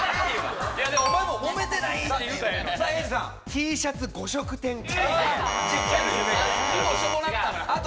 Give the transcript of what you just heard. Ｔシャツ、５色展開。